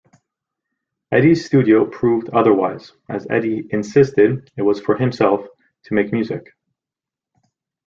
Eddie's studio proved otherwise, as Eddie insisted it was for himself to make music.